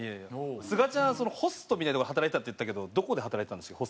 すがちゃんホストみたいなとこで働いてたって言ったけどどこで働いてたんでしたっけ？